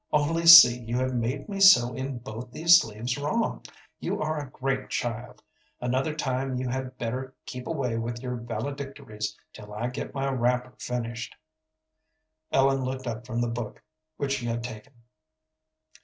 "Only see, you have made me sew in both these sleeves wrong. You are a great child. Another time you had better keep away with your valedictories till I get my wrapper finished." Ellen looked up from the book which she had taken.